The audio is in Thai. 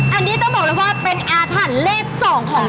อันนี้ต้องบอกเลยว่าเป็นอาร์ฟันเลข๒ของจริง